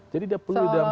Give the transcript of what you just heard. jadi dia perlu didampingi